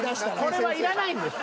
「これはいらないんです」。